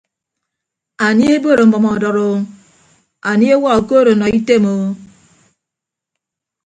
Anie ebod ọmʌm ọduọd o anie ewa okood ọnọ item o.